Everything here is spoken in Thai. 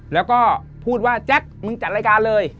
แล้วก็พูดว่าแจ๊คมึงจัดรายการเลย